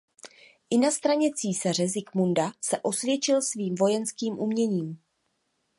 I na straně císaře Zikmunda se osvědčil svým vojenským uměním.